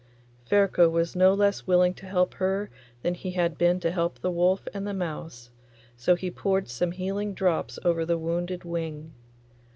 Ferko was no less willing to help her than he had been to help the wolf and the mouse, so he poured some healing drops over the wounded wing.